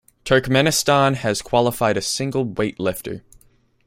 Turkmenistan has qualified a single weightlifter.